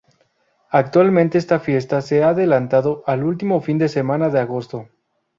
Actualmente esta fiesta se ha adelantado al último fin de semana de agosto.